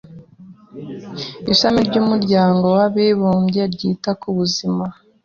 Ishami ry’umuryango w’abibumbye ryita ku buzima